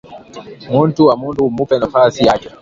Muntu ni muntu umupe fasi yake